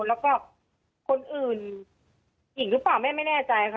แล้วก็คนอื่นหญิงหรือเปล่าแม่ไม่แน่ใจค่ะ